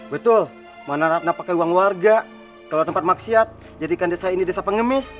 betul mana ratna pakai uang warga kalau tempat maksiat jadikan desa ini desa pengemis